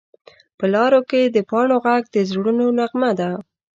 په لارو کې د پاڼو غږ د زړونو نغمه ده